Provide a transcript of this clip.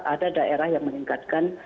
ada daerah yang meningkatkan